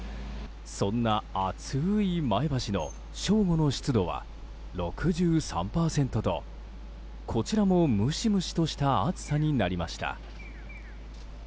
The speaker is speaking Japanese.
そんな暑い前橋の正午の湿度は６３％とこちらもムシムシとした暑さになりました。